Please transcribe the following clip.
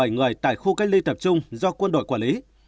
một trăm linh bảy người tại khu cách ly tập trung do quân đội quản lý